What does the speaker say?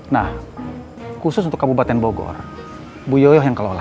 nah khusus untuk kabupaten bogor bu yoyo yang kelola